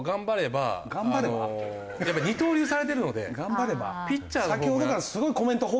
やっぱ二刀流されてるのでピッチャーのほうも。